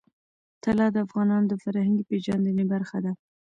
طلا د افغانانو د فرهنګي پیژندنې برخه ده.